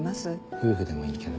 夫婦でもいいけど。